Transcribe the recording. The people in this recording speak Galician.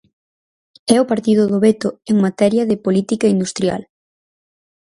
É o partido do veto en materia de política industrial.